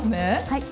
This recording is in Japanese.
はい。